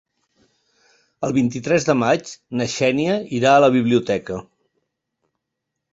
El vint-i-tres de maig na Xènia irà a la biblioteca.